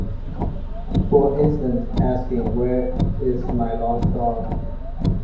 For instance, asking Where is my lost dog?